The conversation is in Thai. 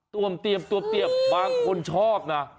เตรียมบางคนชอบนะ